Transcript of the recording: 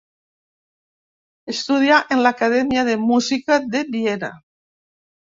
Estudià en l'Acadèmia de Música de Viena.